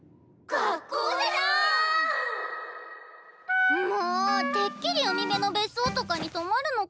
学校⁉んもてっきり海辺の別荘とかに泊まるのかと。